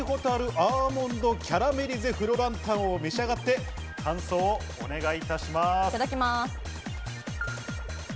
アーモンドキャラメリゼフロランタンをめしあがって感想をお願いいたします。